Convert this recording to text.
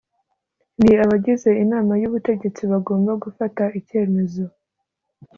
ni abagize inama y’ubutegetsi bagomba gufata icyemezo